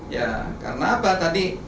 ya karena apa tadi